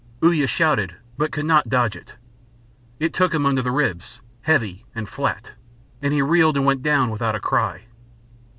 Uya shouted, but could not dodge it. It took him under the ribs, heavy and flat, and he reeled and went down without a cry.